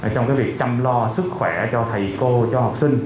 trong việc chăm lo sức khỏe cho thầy cô cho học sinh